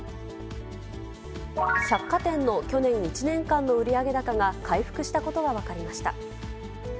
百貨店の去年１年間の売上高が回復したことが分かりました。